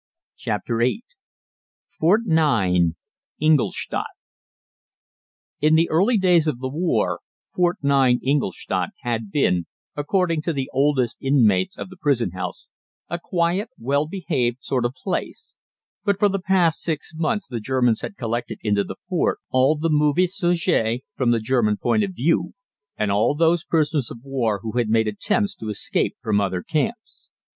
CHAPTER VIII FORT 9, INGOLSTADT In the early days of the war Fort 9, Ingolstadt, had been, according to the oldest inmates of the prison house, a quiet, well behaved sort of place, but for the past six months the Germans had collected into the fort all the "mauvais sujets" from the German point of view, and all those prisoners of war who had made attempts to escape from other camps.